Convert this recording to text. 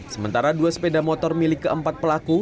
sementara dua sepeda motor milik keempat pelaku